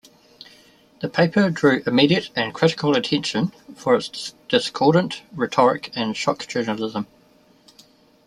The paper drew immediate and critical attention for its discordant rhetoric and shock journalism.